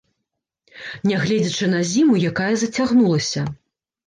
Нягледзячы на зіму, якая зацягнулася.